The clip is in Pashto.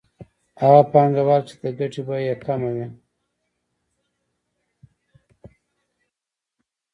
هغه پانګوال چې د ګټې بیه یې کمه وي